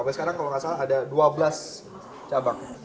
sampai sekarang kalau nggak salah ada dua belas cabang